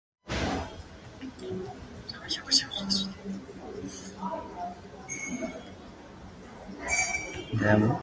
Her captors hail Lorin, who orders Crusher and Picard returned to the "Enterprise".